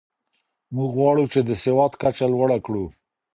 موږ غواړو چې د سواد کچه لوړه کړو.